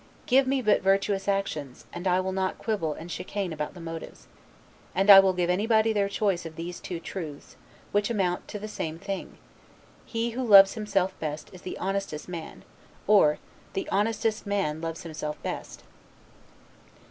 Give me but virtuous actions, and I will not quibble and chicane about the motives. And I will give anybody their choice of these two truths, which amount to the same thing: He who loves himself best is the honestest man; or, The honestest man loves himself best.